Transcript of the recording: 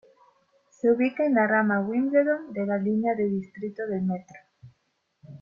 Se ubica en la rama Wimbledon de la línea de distrito del metro.